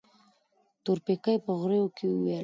تورپيکۍ په غريو کې وويل.